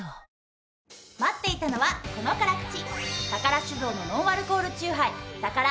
「待っていたのはこの辛口！」。